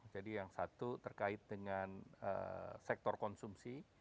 jadi yang satu terkait dengan sektor konsumsi